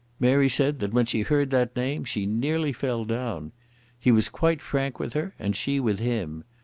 Mary said that when she heard that name she nearly fell down. He was quite frank with her, and she with him.